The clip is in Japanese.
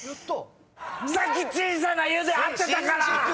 さっき小さな「ゆ」で合ってたから！